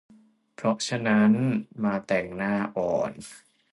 เพราะฉะนั้นมาแต่งหน้าอ่อน